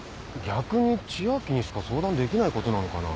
逆に千明にしか相談できないことなのかな？